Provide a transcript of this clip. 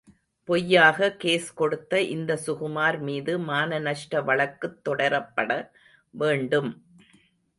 பொய்யாக கேஸ் கொடுத்த இந்தச் சுகுமார் மீது மானநஷ்ட வழக்குத் தொடரப்பட வேண்டும்.